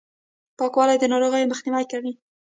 پاکوالي، د ناروغیو مخنیوی کوي.